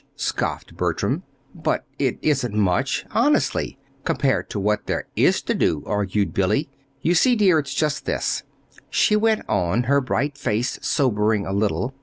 scoffed Bertram. "But it isn't much, honestly compared to what there is to do," argued Billy. "You see, dear, it's just this," she went on, her bright face sobering a little.